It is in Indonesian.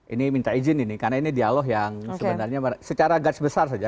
ini minta izin ini karena ini dialog yang sebenarnya secara gats besar saja